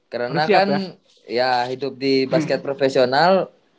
karena kan ya hidup di basket profesional